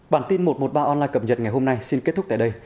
bản tin một trăm một mươi ba online cập nhật ngày hôm nay xin kết thúc tại đây